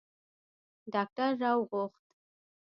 ډاکتر را وغوښت.